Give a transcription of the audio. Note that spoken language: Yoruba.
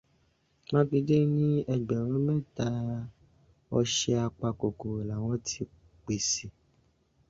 Mákindé ní ẹgbẹ̀rún mẹ́ta ọṣẹ apakòkòrò làwọn ti pàsè.